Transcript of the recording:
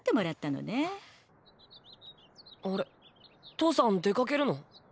父さん出かけるの？